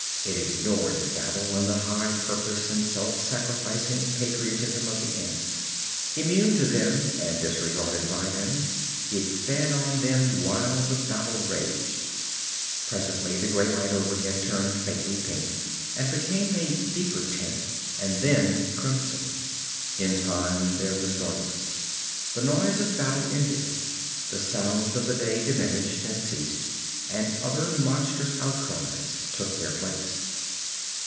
It ignored the battle and the high purpose and self sacrificing patriotism of the ants. Immune to them and disregarded by them, it fed on them while the battle raged. Presently the gray light overhead turned faintly pink, and became a deeper tint and then crimson. In time there was darkness. The noise of battle ended. The sounds of the day diminished and ceased, and other monstrous outcries took their place.